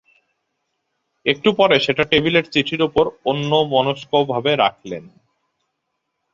একটু পরে সেটা টেবিলের চিঠির উপর অন্যমনস্ত্বকভাবে রাখলেন।